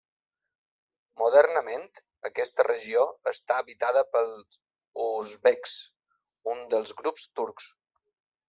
Modernament aquesta regió està habitada pels uzbeks, un dels grups turcs.